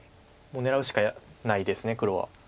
もう狙うしかないです黒は。